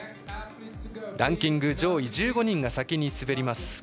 ランキング上位１５人が先に滑ります。